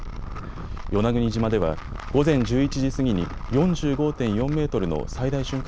与那国島では午前１１時過ぎに４５．４メートルの最大瞬間